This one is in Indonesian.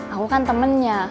aku kan temennya